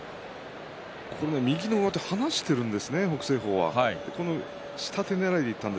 右の上手を離しているんですね、北青鵬は。